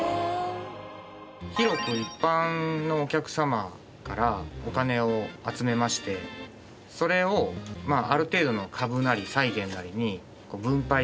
広く一般のお客様からお金を集めましてそれをある程度の株なり債券なりに分配して。